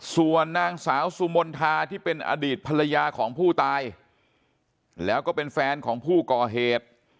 ส่วนนางสาวสุมนทาที่เป็นอดีตภรรยาของผู้ตายแล้วก็เป็นแฟนของผู้ก่อเหตุ